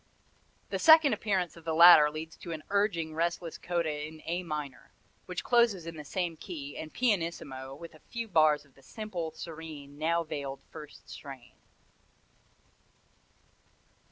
The second appearance of the latter leads to an urging, restless coda in A minor, which closes in the same key and pianissimo with a few bars of the simple, serene, now veiled first strain."